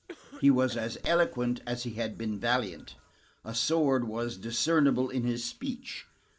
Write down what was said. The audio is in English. He was as eloquent as he had been valiant; a sword was discernible in his speech.